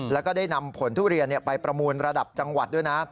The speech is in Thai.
แล้วก็ได้นำผลทุเรียนไปประมูลระดับจังหวัดด้วยนะ